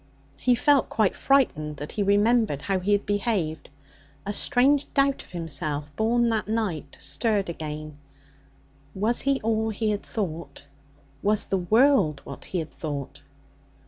He felt quite frightened when he remembered how he had behaved. A strange doubt of himself, born that night, stirred again. Was he all he had thought? Was the world what he had thought?